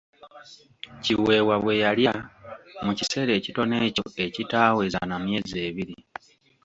Kiweewa bwe yalya, mu kiseera ekitono ekyo ekitaaweza na myezi ebiri.